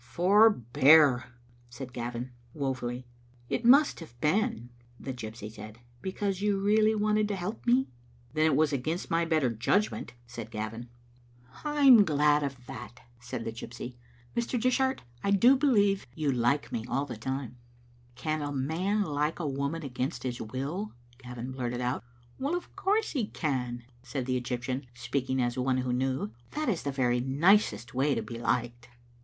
"Forbear!" said Gavin, woefully. "It must have been," the gypsy said, "because you really wanted to help me." "Then it was against my better judgment," said Gavia. Digitized by VjOOQ IC /4 ttbe Kittle Afnl0fer« " I am glad of that," said the gypsy. • Mr. Dishart^ I do believe you like me all the time." "Can a man like a woman against his will?" Gavin blurted out. "Of course he can," said the Egyptian, speaking ad one who knew. " That is the very nicest way to be liked.